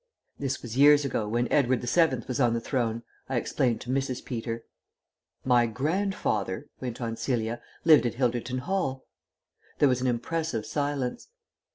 "This was years ago, when Edward the Seventh was on the throne," I explained to Mrs. Peter. "My grandfather," went on Celia, "lived at Hilderton Hall." There was an impressive silence.